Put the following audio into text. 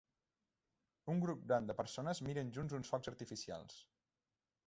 Un grup gran de persones miren junts uns focs artificials.